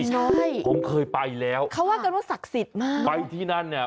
ใช่ผมเคยไปแล้วเขาว่ากันว่าศักดิ์สิทธิ์มากไปที่นั่นเนี่ย